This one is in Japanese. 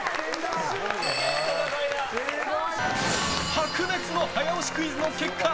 白熱の早押しクイズの結果